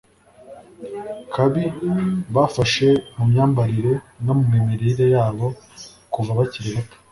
kabi bafashe mu myambarire no mu mirire yabo kuva bakiri bato